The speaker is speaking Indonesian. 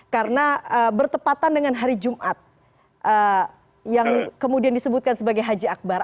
karena bertepatan dengan hari jumat yang kemudian disebutkan sebagai haji akbar